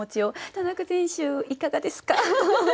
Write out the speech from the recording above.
田中選手いかがですか？